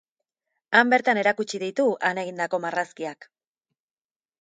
Han bertan erakutsi ditu han egindako marrazkiak.